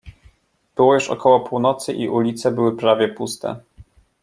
"Było już około północy i ulice były prawie puste."